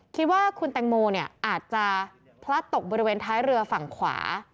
คิดว่าคุณแตงโมเนี่ยอาจจะพลัดตกบริเวณท้ายเรือฝั่งขวา